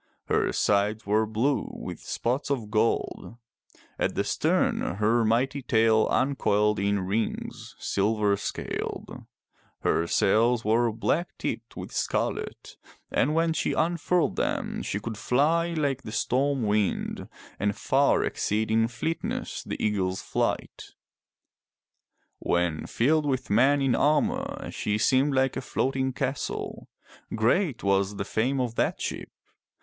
Her sides were blue, with spots of gold; at the stern her mighty tail uncoiled in rings, silver scaled; her sails were black tipped with scarlet, and when she unfurled them she could fly like the storm wind, and far exceed in fleetness the eagle's flight. When filled with men in armor she seemed like a floating castle. Great was the fame of that ship.